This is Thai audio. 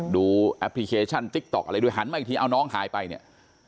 แอปพลิเคชันติ๊กต๊อกอะไรด้วยหันมาอีกทีเอาน้องหายไปเนี่ย